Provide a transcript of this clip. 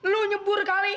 lu nyebur kali